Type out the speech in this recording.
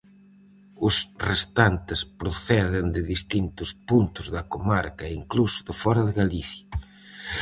Os restantes proceden de distintos puntos da comarca e incluso de fóra de Galicia.